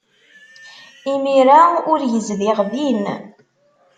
Imir-a ur yezdiɣ din.